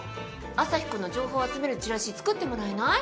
アサヒくんの情報を集めるチラシ作ってもらえない？